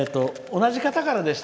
同じ方からでした。